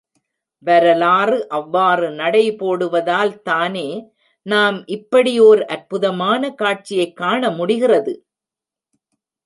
வரலாறு அவ்வாறு நடைபோடுவதால் தானே, நாம் இப்படி ஓர் அற்புதமான காட்சியைக் காண முடிகிறது?